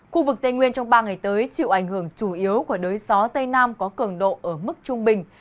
khu vực tây nguyên trong ba ngày tới chịu ảnh hưởng chủ yếu của đới gió tây nam có cường độ ở mức trung bình